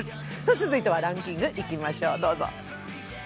続いてはランキングいきましょう。